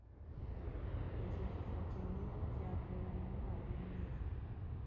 Ekyo kye kifo kya nnyinimu ky’atuulamu ng’alya emmere.